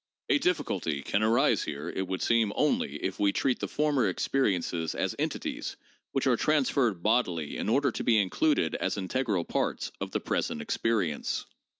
A difficulty can arise here, it would seem, only if we treat the former experiences as entities which are transferred bodily in order to be included as integral parts of the present experience.